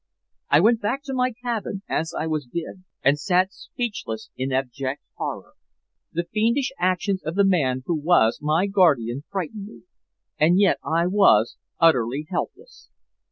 "I went back to my cabin as I was bid, and sat speechless in abject horror. The fiendish actions of the man who was my guardian frightened me. And yet I was utterly helpless.